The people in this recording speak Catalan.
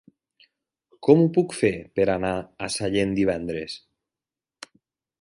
Com ho puc fer per anar a Sallent divendres?